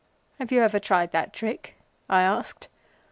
"Have you ever tried that trick?" I asked.